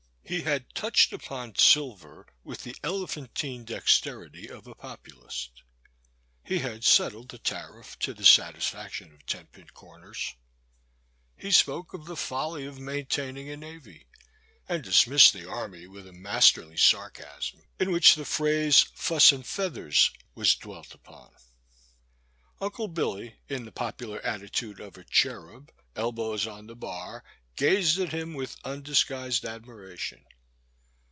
He had touched upon silver with the elephantine dexterity of a Populist, he had settled the tariff to the satisfaction of Ten Pin Comers, he spoke of the folly of maintaining a navy, and dismissed the army with a masterly sarcasm in which the phrase, " fuss *n feathers *' 247 248 The Boy's Sister. was dwelt upon. Unde Billy, in the popular atti tude of a cherub, elbows on the bar, gazed at him with undisguised admiration.